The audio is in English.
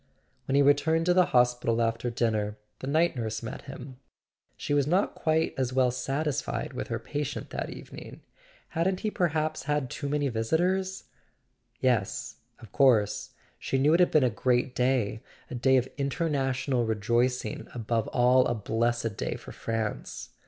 When he returned to the hospital after dinner the night nurse met him. She was not quite as well satis¬ fied with her patient that evening: hadn't he perhaps had too many visitors? Yes, of course—she knew it had been a great day, a day of international rejoicing, above all a blessed day for France.